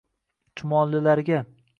Chumolilarga